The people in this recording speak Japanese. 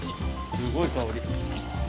すごい香り。